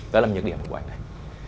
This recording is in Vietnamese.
đó là những điểm của bộ ảnh này